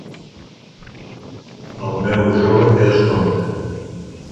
El meu jove té descompte.